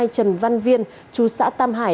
trần văn viên chú xã tam hải